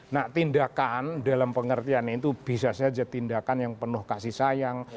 nah tindakan dalam pengertian itu bisa saja tindakan yang penuh kasih sayang